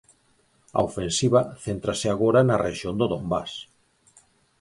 A ofensiva céntrase agora na rexión do Donbás.